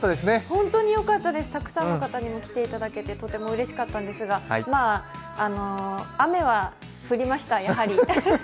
本当によかったです、たくさんの方にも来ていただけてとてもよかったんですが、雨は降りました、やはり。